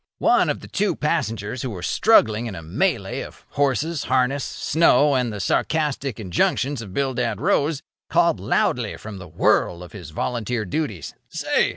One of the two passengers who were struggling in a melée of horses, harness, snow, and the sarcastic injunctions of Bildad Rose, called loudly from the whirl of his volunteer duties: "Say!